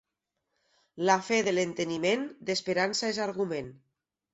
La fe de l'enteniment, d'esperança és argument.